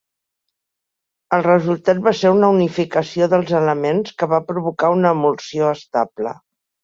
El resultat va ser una unificació dels elements, que va provocar una emulsió estable.